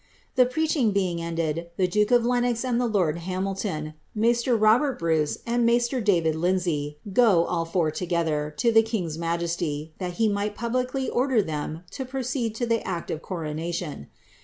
The jireaching being ended, the duki; of Lenox anil the lord Hamihnn, niaiMler Boberl Bruce, and niaisler David Liudsay go, all four log e:hfr. to the king's inajesiy, thai he misht pul'licly order them to proceed lo tile act of coronation.